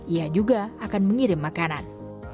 ia juga akan mengirim makanan